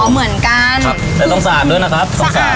เอาเหมือนกันครับแต่ต้องสะอาดด้วยนะครับสะอาดด้วยสะอาดมาก